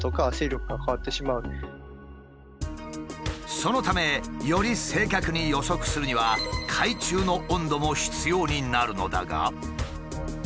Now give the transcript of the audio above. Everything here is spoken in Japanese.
そのためより正確に予測するには海中の温度も必要になるのだが。